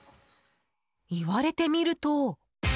言われてみると。